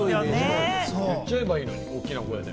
言っちゃえばいいのに、大きな声で。